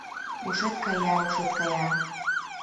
Ушет кая, ушет кая...